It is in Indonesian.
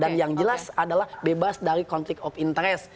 dan yang jelas adalah bebas dari conflict of interest